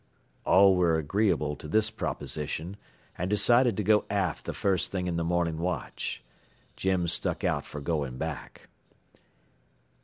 All were agreeable to this proposition and decided to go aft the first thing in the morning watch. Jim stuck out for going back.